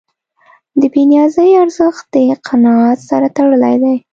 د بېنیازۍ ارزښت د قناعت سره تړلی دی.